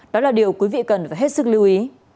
đó là điều quý vị cần phải hết sức lưu ý